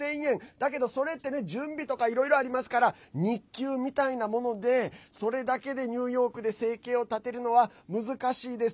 だけど、それって準備とかもありますから日給みたいなものでそれだけでニューヨークで生計を立てるのは難しいです。